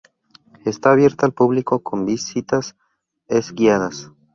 Está abierta al público con visitas es guiadas.